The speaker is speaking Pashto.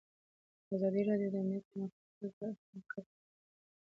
ازادي راډیو د امنیت پرمختګ او شاتګ پرتله کړی.